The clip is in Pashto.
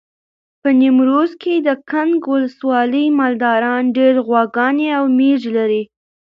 په نیمروز کې د کنگ ولسوالۍ مالداران ډېر غواګانې او مېږې لري.